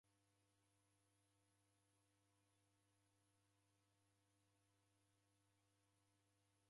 Jaa vindo mukaenda mbuw'enyi ndemw'uya.